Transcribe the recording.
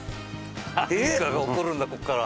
何かが起こるんだここから。